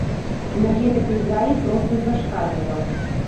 Энергетыка ў залі проста зашкальвала.